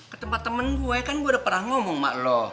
ke temen gue kan gua udah pernah ngomong sama lu